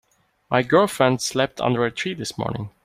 My girlfriend slept under a tree this morning.